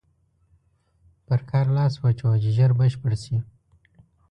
پر کار لاس واچوه چې ژر بشپړ شي.